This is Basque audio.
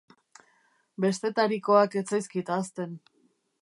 Bestetarikoak ez zaizkit ahazten